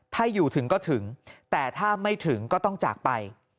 ถ้าอยู่ถึงก็ถึงแต่ถ้าไม่ถึงก็ต้องจากไป